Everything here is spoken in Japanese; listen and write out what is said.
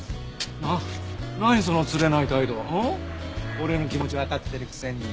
俺の気持ちわかってるくせに。